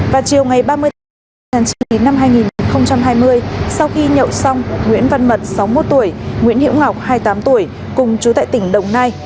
vào chiều ngày ba mươi tháng chín năm hai nghìn hai mươi sau khi nhậu xong nguyễn văn mật sáu mươi một tuổi nguyễn hiễu ngọc hai mươi tám tuổi cùng chú tại tỉnh đồng nai